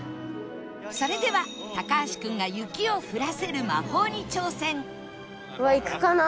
それでは橋君が雪を降らせる魔法に挑戦いくかな？